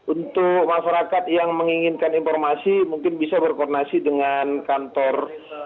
untuk masyarakat yang menginginkan informasi mungkin bisa berkoordinasi dengan kantor